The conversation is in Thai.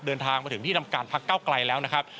เดินทางมาถึงที่ทำการพักเก้าไกลแล้วนะครับ